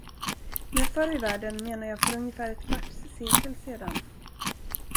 Med förr i världen menar jag för ungefär ett kvartssekel sedan.